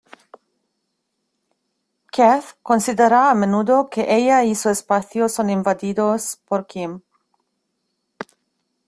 Kath considera a menudo que ella y su espacio son invadidos por Kim.